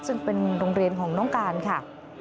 ซึ่งเป็นโรงเรียนของน้องการค่ะ